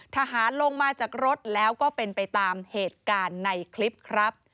ทหารลงมาจากรถแล้วก็เป็นไปตามเหตุการณ์ในคลิปครับ